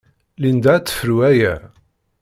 Linda ad tefru aya.